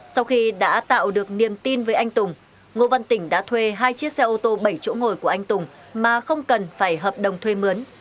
sau khi đã tạo được niềm tin với anh tùng ngô văn tỉnh đã thuê hai chiếc xe ô tô bảy chỗ ngồi của anh tùng mà không cần phải hợp đồng thuê mướn